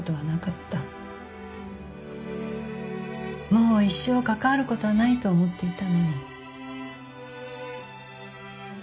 もう一生関わることはないと思っていたのに。